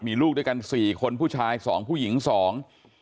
มีลูกด้วยกันสี่คนผู้ชายสองผู้หญิงสอง